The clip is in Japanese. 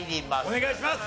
お願いします。